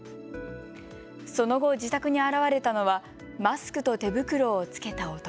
その後、自宅に現れたのはマスクと手袋を着けた男。